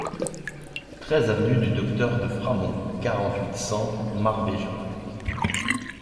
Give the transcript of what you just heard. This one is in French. treize avenue du Docteur de Framond, quarante-huit, cent, Marvejols